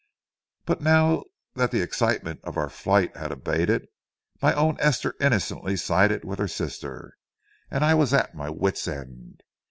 But now that the excitement of our flight had abated, my own Esther innocently sided with her sister, and I was at my wit's end.